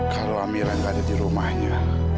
kalau amirah gak ada di rumahnya